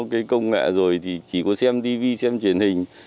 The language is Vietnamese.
cái công nghệ rồi thì chỉ có xem tv xem truyền hình